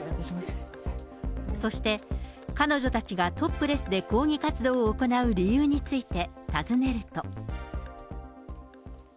そして、彼女たちがトップレスで抗議活動を行う理由についてたずねると。